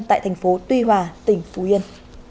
tại thành phố tuy hòa tỉnh phú yên